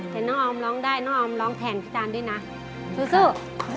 เห็นน้องออมร้องได้น้องออมร้องแทนพี่ตานด้วยนะสู้